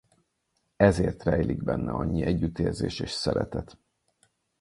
Ezért rejlik benne annyi együttérzés és szeretet.